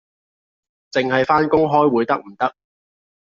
淨係返工開會得唔得？